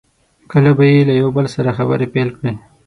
کله به یې یو له بل سره خبرې پیل کړې.